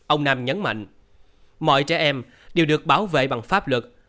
ông nam nhấn mạnh mọi trẻ em đều được bảo vệ bằng pháp luật